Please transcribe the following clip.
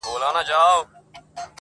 ته پاچا ځان مي وزیر جوړ کړ ته نه وې-